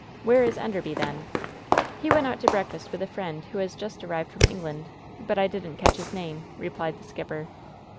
Where is Enderby, then ?" "He went out to breakfast with a friend who has just arrived from England, but I didn't catch his name/* replied the skipper.